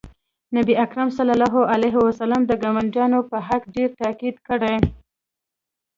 نبي کریم صلی الله علیه وسلم د ګاونډي په حق ډېر تاکید کړی